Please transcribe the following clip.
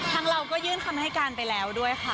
เราก็ยื่นคำให้การไปแล้วด้วยค่ะ